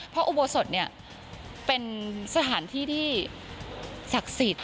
เพราะอุโบสถเป็นสถานที่ที่ศักดิ์สิทธิ์